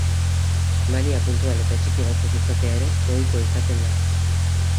Mania puntual eta txiki batzuk izatea ere ohikoa izaten da.